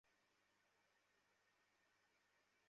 মাবুদ জানে, ও তখন পরিস্থিতি নিয়ন্ত্রনের জন্য কাকে বলি দেবে!